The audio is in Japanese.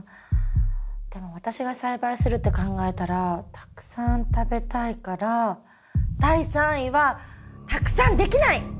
でも私が栽培するって考えたらたくさん食べたいから第３位は「たくさんできない」！